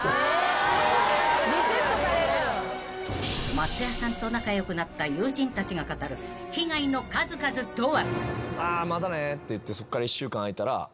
［松也さんと仲良くなった友人たちが語る被害の数々とは？］